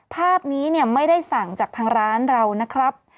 ภาพนี้ไม่ได้สั่งจากทางร้านเรานะครับ